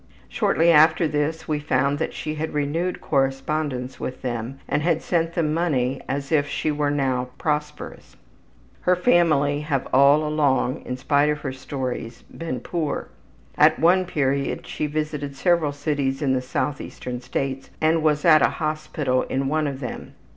Shortly after this we found that she had renewed correspondence with them and had sent them money as if she were now prosperous. Her family have all along, in spite of her stories, been poor. At one period she visited several cities in the southeastern states and was at a hospital in one of them.